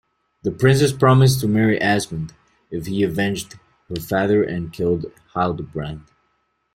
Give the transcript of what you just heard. The princess promised to marry Asmund, if he avenged her father and killed Hildebrand.